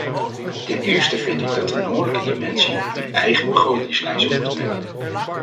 Ten eerste vind ik dat de noordelijke dimensie een eigen begrotingslijn zou moeten hebben.